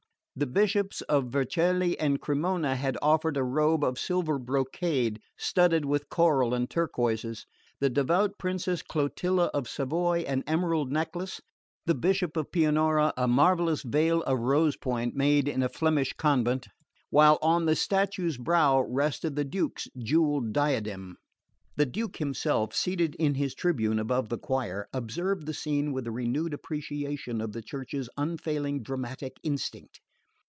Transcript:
The Bishops of Vercelli and Cremona had offered a robe of silver brocade studded with coral and turquoises, the devout Princess Clotilda of Savoy an emerald necklace, the Bishop of Pianura a marvellous veil of rose point made in a Flemish convent; while on the statue's brow rested the Duke's jewelled diadem. The Duke himself, seated in his tribune above the choir, observed the scene with a renewed appreciation of the Church's unfailing dramatic instinct.